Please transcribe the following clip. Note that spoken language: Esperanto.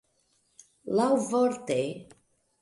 laŭvorte